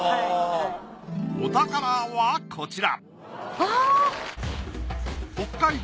お宝はこちら